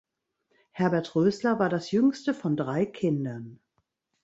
Herbert Rösler war das jüngste von drei Kindern.